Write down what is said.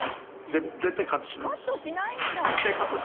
絶対カットしない？